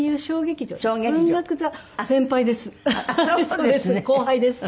そうです。